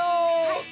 はい。